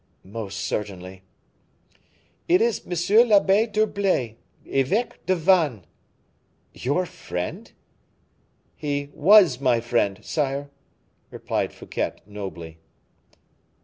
"Most certainly." "It is M. l'Abbe d'Herblay, Eveque de Vannes." "Your friend?" "He was my friend, sire," replied Fouquet, nobly.